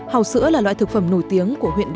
hào sữa là loại thực phẩm nổi tiếng của việt nam